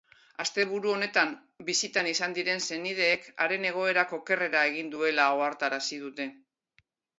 Asteburu honetan bisitan izan diren senideek haren egoerak okerrera egin duela ohartarazi dute.